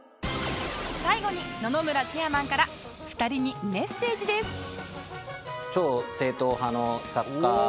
最後に野々村チェアマンから２人にメッセージです